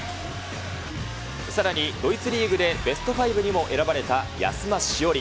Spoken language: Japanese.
さらに、ドイツリーグでベストファイブにも選ばれた安間志織。